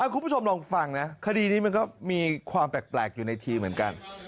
คุณผู้ชมลองฟังนะคดีนี้มันก็มีความแปลกอยู่ในทีเหมือนกัน